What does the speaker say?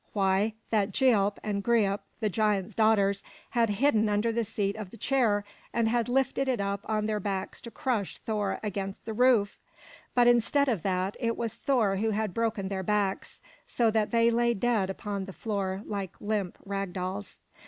Why, that Gialp and Greip, the giant's daughters, had hidden under the seat of the chair, and had lifted it up on their backs to crush Thor against the roof! But instead of that, it was Thor who had broken their backs, so that they lay dead upon the floor like limp rag dolls.